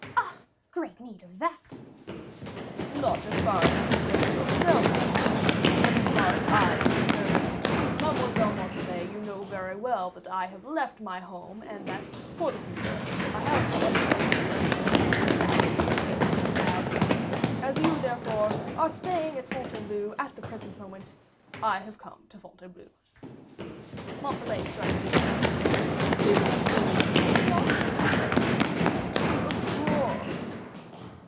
"Ah, great need of that." "Not as far as concerns yourself, perhaps, but as far as I am concerned, Mademoiselle Montalais, you know very well that I have left my home, and that, for the future, I have no other place of residence than that which you may happen to have. As you, therefore, are staying at Fontainebleau at the present moment, I have come to Fontainebleau." Montalais shrugged her shoulders. "You wished to see me, did you not?" she said. "Of course."